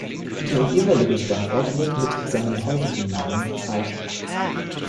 Der jeweilige Standort wird mit seinem heutigen Namen bezeichnet.